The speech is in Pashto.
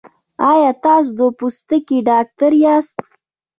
ایا تاسو د پوستکي ډاکټر یاست؟